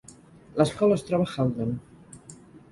L'escola es troba a Haledon.